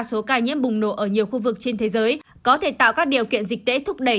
số ca nhiễm bùng nổ ở nhiều khu vực trên thế giới có thể tạo các điều kiện dịch tễ thúc đẩy